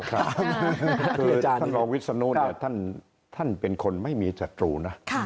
คือท่านรองวิศนุท่านเป็นคนไม่มีจัดรูนะ